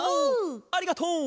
ありがとう！